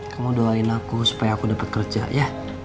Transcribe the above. kamu doain aku supaya aku dapat kerja ya